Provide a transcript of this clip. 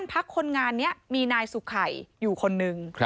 พักคนงานนี้มีนายสุขัยอยู่คนนึง